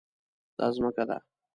دا ځمکه ده